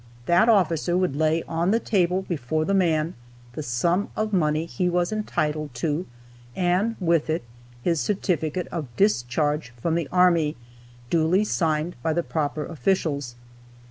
That officer would lay on the table before the man the sum of money he was entitled to, and with it his certificate of discharge from the army, duly signed by the proper officials.